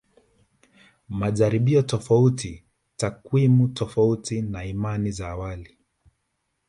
Majaribio tofauti takwimu tofauti na imani za awali